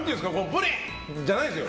プリン！じゃないんですよ